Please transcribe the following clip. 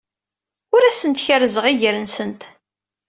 Ur asent-kerrzeɣ iger-nsent.